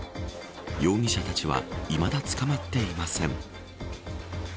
容疑者達はいまだ捕まっていません。